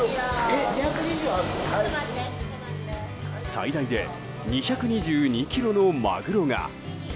最大で２２２ｋｇのマグロが。